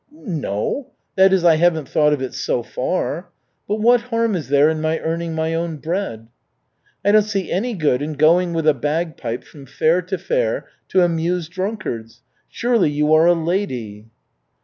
"No that is, I haven't thought of it so far. But what harm is there in my earning my own bread?" "I don't see any good in going with a bagpipe from fair to fair to amuse drunkards. Surely you are a lady."